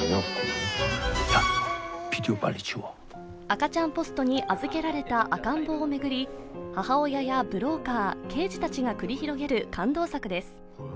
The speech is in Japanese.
赤ちゃんポストに預けられた赤ん坊を巡り母親やブローカー、刑事たちが繰り広げる感動作です。